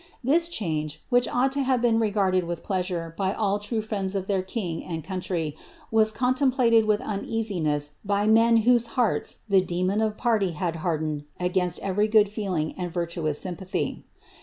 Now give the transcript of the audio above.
This change, which ought to have been regarded pleasure by all true friends of their king and country, was contem with uneasiness by men whose hearts the demon of party had \ed against every good feeling and virtuous sympathy.